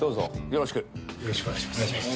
よろしくお願いします。